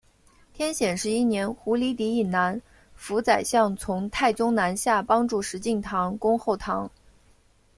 天显十一年鹘离底以南府宰相从太宗南下帮助石敬瑭攻后唐。